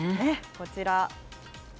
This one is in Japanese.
こちら。